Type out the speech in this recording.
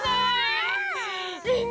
みんな！